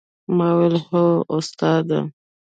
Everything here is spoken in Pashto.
ما وويل هو استاده!